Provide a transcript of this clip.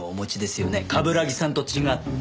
冠城さんと違って。